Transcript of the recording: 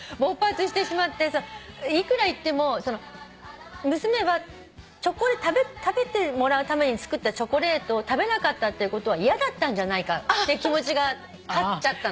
いくら言っても娘は食べてもらうために作ったチョコレートを食べなかったってことは嫌だったんじゃないかって気持ちが勝っちゃったのね。